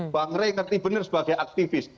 bang rey ngerti benar sebagai aktivis